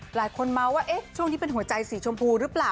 หลายคนเมาส์ว่าช่วงนี้เป็นหัวใจสีชมพูหรือเปล่า